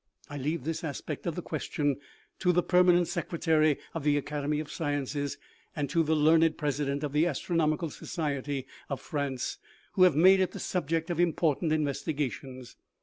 I leave this aspect of the ques tion to the permanent secretary of the academy of sciences and to the learned president of the astronomical society of France, who have made it the subject of important inves tigations.